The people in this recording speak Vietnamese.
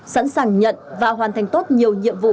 sẵn sàng nhận và hoàn thành tốt nhiều nhiệm vụ